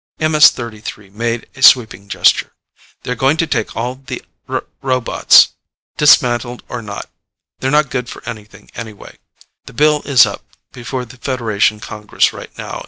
MS 33 made a sweeping gesture. "They're going to take all the r robots, dismantled or not. They're not good for anything anyway. The bill is up before the Federation Congress right now.